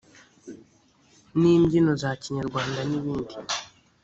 n imbyino za kinyarwanda n ibindi